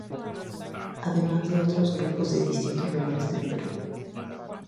Además de otros grupos de distintos lugares del Perú.